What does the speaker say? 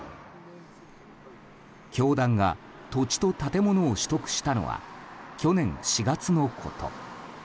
教団が土地と建物を取得したのは去年４月のこと。